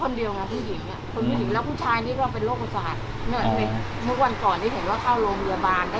คนผู้หญิงแล้วผู้ชายนี่ก็เป็นโรคประสาทอ่าเมื่อกวันก่อนที่เห็นว่าเข้าโรงพยาบาล